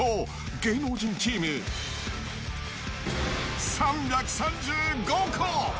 芸能人チーム３３５個。